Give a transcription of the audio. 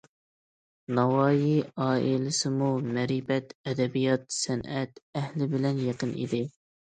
ناۋايى ئائىلىسىمۇ مەرىپەت، ئەدەبىيات- سەنئەت ئەھلى بىلەن يېقىن ئىدى.